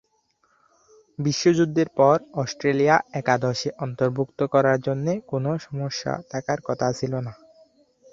বিশ্বযুদ্ধের পর অস্ট্রেলিয়া একাদশে অন্তর্ভুক্ত করার জন্যে কোন সমস্যা থাকার কথা ছিল না।